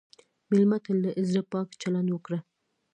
مېلمه ته له زړه پاک چلند وکړه.